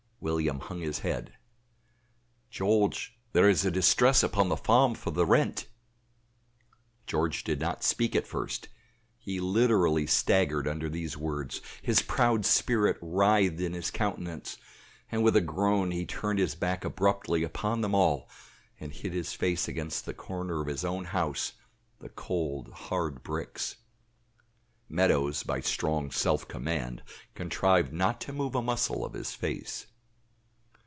William hung his head. "George, there is a distress upon the farm for the rent." George did not speak at first, he literally staggered under these words; his proud spirit writhed in his countenance, and with a groan, he turned his back abruptly upon them all and hid his face against the corner of his own house, the cold hard bricks. Meadows, by strong self command, contrived not to move a muscle of his face.